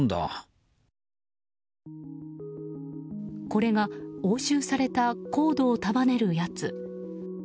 これが、押収されたコードを束ねるやつ。